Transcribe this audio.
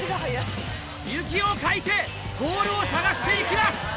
雪をかいてボールを探していきます！